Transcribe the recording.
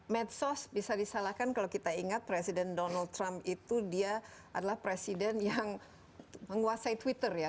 medsos bisa disalahkan kalau kita ingat presiden donald trump itu dia adalah presiden yang menguasai twitter ya